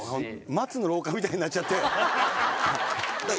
松之廊下みたいになっちゃって。